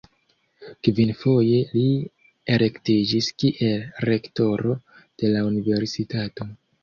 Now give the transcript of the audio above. Kvinfoje li elektiĝis kiel rektoro de la universitato.